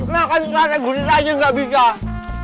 makan sate gurita aja nggak bisa